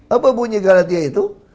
apa bunyi galatia itu